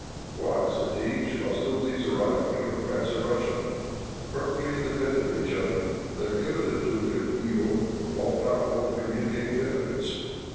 "Why," said he, "should hostilities arise between France and Russia? Perfectly independent of each other, they are impotent to inflict evil, but all powerful to communicate benefits.